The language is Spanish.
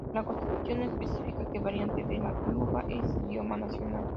La constitución no especifica que variante de luba es idioma nacional.